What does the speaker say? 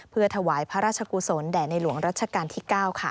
เพื่อถวายพระราชกุศลแด่ในหลวงรัชกาลที่๙ค่ะ